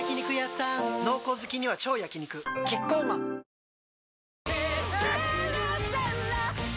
濃厚好きには超焼肉キッコーマンプシュ！